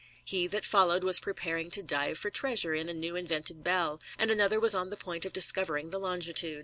He ^Jbai followed was preparing to dive for treasure in a new ^^ferCDted bell ; and another was on the point of discovering ^^K$ longitude.